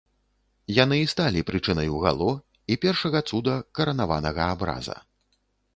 Яны і сталі прычынаю гало і першага цуда каранаванага абраза.